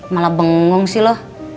malah bengong sih lo